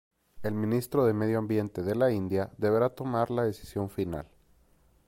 El Ministro de Medio Ambiente de la India deberá tomar la decisión final.